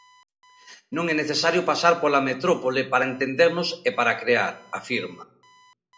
Non é necesario pasar pola metrópole para entendernos e para crear, afirma.